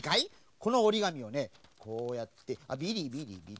このおりがみをねこうやってビリビリビリ。